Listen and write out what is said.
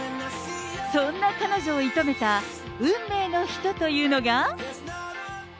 そんな彼女を射止めた運命の人というのが。